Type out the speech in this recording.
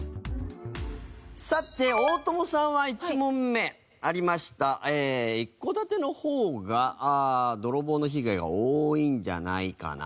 さて大友さんは１問目ありました一戸建ての方が泥棒の被害が多いんじゃないかなという。